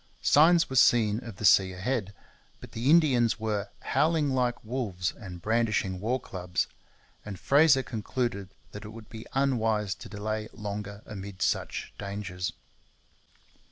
Signs were seen of the sea ahead; but the Indians were 'howling like wolves and brandishing war clubs,' and Fraser concluded that it would be unwise to delay longer amid such dangers.